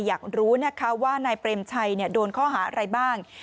อยากรู้นะคะว่านายเปรมชัยโดนข้อหาอะไรบ้าง